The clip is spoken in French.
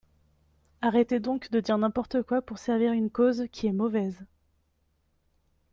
Arrêtez donc de dire n’importe quoi pour servir une cause qui est mauvaise.